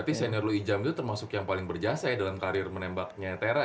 berarti senior lu ijam itu termasuk yang paling berjasa ya dalam karir menembaknya tera